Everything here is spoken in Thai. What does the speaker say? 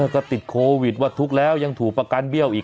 ก็ติดโควิดว่าทุกข์แล้วยังถูกประกันเบี้ยวอีก